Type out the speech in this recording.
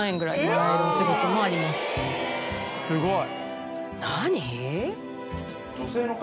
すごい！何？